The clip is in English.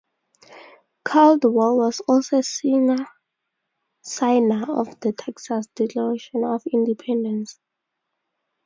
Caldwell was also a signer of the Texas Declaration of Independence.